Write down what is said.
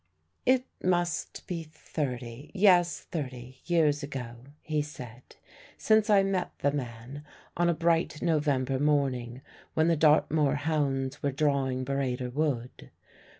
It must be thirty yes, thirty years ago (he said) since I met the man, on a bright November morning, when the Dartmoor hounds were drawing Burrator Wood.